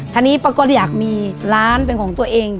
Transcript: ทีนี้ป้าก็อยากมีร้านเป็นของตัวเอง